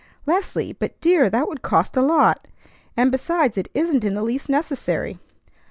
"Leslie! But, dear, that would cost a lot! And, besides, it isn't in the least necessary."